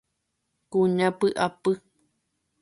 Kuña pyapy